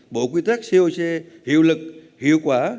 bộ quy tắc coc hiệu lực hiệu quả